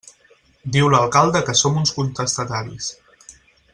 Diu l'alcalde que som uns contestataris.